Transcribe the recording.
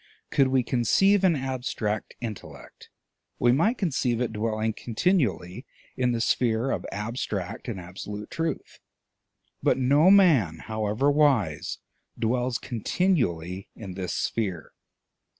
Could we conceive an abstract intellect, we might conceive it dwelling continually in the sphere of abstract and absolute truth; but no man, however wise, dwells continually in this sphere.